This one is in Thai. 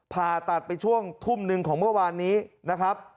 ผ่าตัดไปช่วงทุ่มหนึ่งของเมื่อวานนี้นะครับ